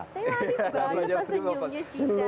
terlalu senyumnya cica